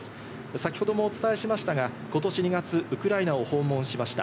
先ほどもお伝えしましたが、ことし２月、ウクライナを訪問しました。